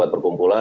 kan mereka bail in